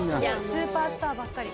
スーパースターばっかり。